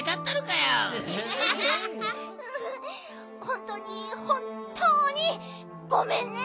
ほんとうにほんとうにごめんね！